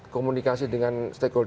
komunikasi dengan stakeholder